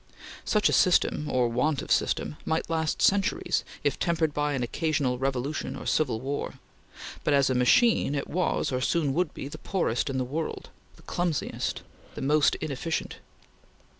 Such a system, or want of system, might last centuries, if tempered by an occasional revolution or civil war; but as a machine, it was, or soon would be, the poorest in the world the clumsiest the most inefficient.